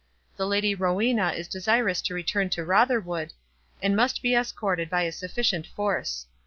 The Lady Rowena is desirous to return to Rotherwood, and must be escorted by a sufficient force.